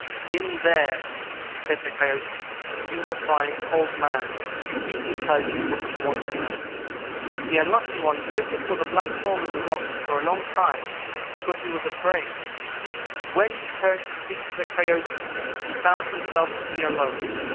"'In there,' said the Coyote, 'you will find Old man and he can tell you what you want to know.' "The Unlucky one stood before the black hole in the rocks for a long time, because he was afraid; but when he turned to speak to the Coyote he found himself to be alone.